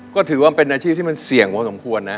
ก็ถือว่าเป็นอาชีพที่มันเสี่ยงพอสมควรนะ